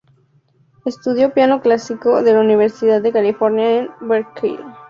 Estudió piano clásico en la Universidad de California en Berkeley.